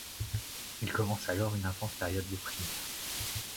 Il commence alors une intense période de prière.